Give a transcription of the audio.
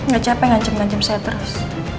gak capek ngajem ngajem saya terus